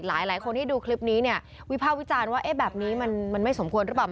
หลายคนที่ดูคลิปนี้เนี่ยวิภาควิจารณ์ว่าเอ๊ะแบบนี้มันไม่สมควรหรือเปล่า